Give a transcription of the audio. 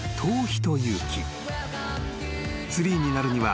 ［ツリーになるには］